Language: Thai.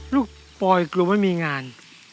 ปอยกลัวไม่มีงาน